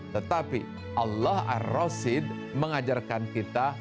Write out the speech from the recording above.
tetapi allah ar rasid mengajarkan kita